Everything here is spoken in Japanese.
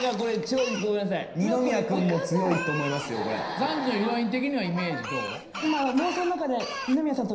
３時のヒロイン的にはイメージどう？